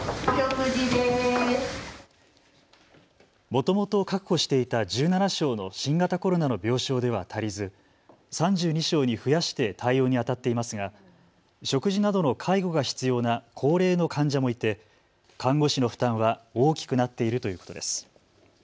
もともと確保していた１７床の新型コロナの病床では足りず３２床に増やして対応にあたっていますが食事などの介護が必要な高齢の患者もいて看護師の負担は大きくなっているということです。